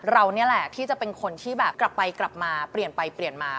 เรานี่แหละที่จะเป็นคนที่แบบกลับไปกลับมาเปลี่ยนไปเปลี่ยนมา